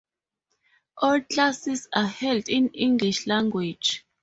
All classes are held in English language.